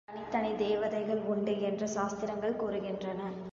தனித்தனித் தேவதைகள் உண்டு என்று சாஸ்திரங்கள் கூறுகின்றன.